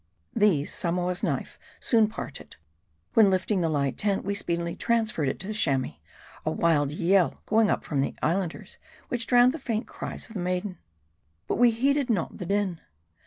These, Samoa's knife soon parted ; when lifting the light tent, we speedily transferred it to the Chamois ; a wild yell going up from the Islanders, which drowned the faint cries of the maiden. But we heeded not the din.